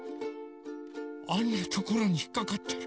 あんなところにひっかかってる。